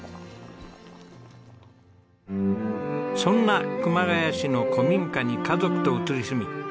そんな熊谷市の古民家に家族と移り住み